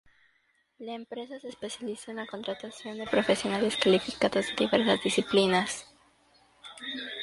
La empresa se especializa en la contratación de profesionales calificados en diversas disciplinas.